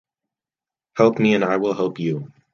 Help me and I will help you.